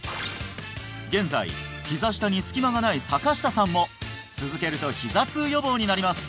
現在ひざ下に隙間がない坂下さんも続けるとひざ痛予防になります